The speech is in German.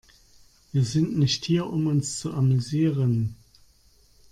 Wir sind nicht hier, um uns zu amüsieren.